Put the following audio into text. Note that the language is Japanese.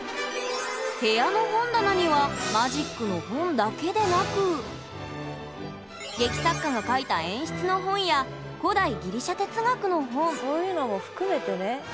部屋の本棚には劇作家が書いた演出の本や古代ギリシャ哲学の本そういうのも含めてね。